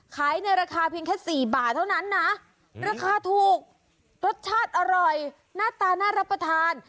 ในราคาเพียงแค่๔บาทเท่านั้นนะราคาถูกรสชาติอร่อยหน้าตาน่ารับประทาน